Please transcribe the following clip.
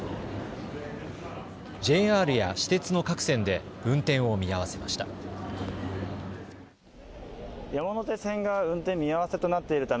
ＪＲや私鉄の各線で運転を見合わせました。